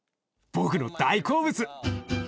僕の大好物！